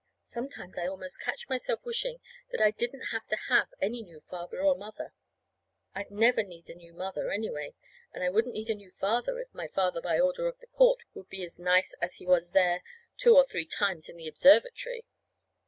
Sometimes I almost catch myself wishing that I didn't have to have any new father or mother. I'd never need a new mother, anyway, and I wouldn't need a new father if my father by order of the court would be as nice as he was there two or three times in the observatory.